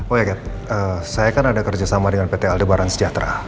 oh ya saya kan ada kerjasama dengan pt aldebaran sejahtera